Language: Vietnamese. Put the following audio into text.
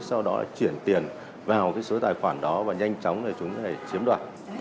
sau đó là chuyển tiền vào cái số tài khoản đó và nhanh chóng là chúng sẽ chiếm đoạt